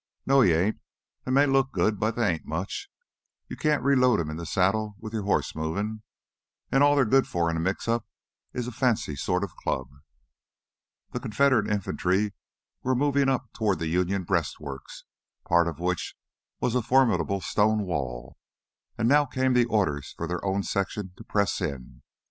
"No, you ain't! They may look good, but they ain't much. You can't reload 'em in the saddle with your horse movin', and all they're good for in a mixup is a fancy sort of club." The Confederate infantry were moving up toward the Union breastworks, part of which was a formidable stone wall. And now came the orders for their own section to press in.